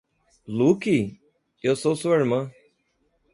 Luke? Eu sou sua irmã!